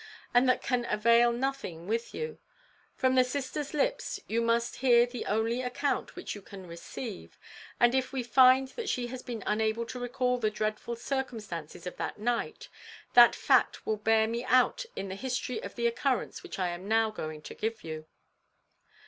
But that can avail nothing with you; from the sister's lips you must hear the only account which you can receive, and if we find that she has been unable to recall the dreadful circumstances of that night, that fact will bear me out in the history of the occurrence which I am now going to give you."